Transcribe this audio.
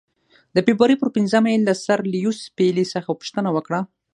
د فبرورۍ پر پنځمه یې له سر لیویس پیلي څخه پوښتنه وکړه.